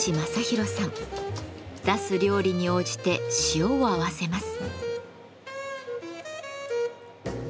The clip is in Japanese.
出す料理に応じて塩を合わせます。